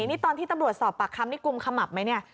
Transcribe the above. นี่ตอนที่ตำรวจสอบปากคำนี่กุมขมับไหมเนี่ย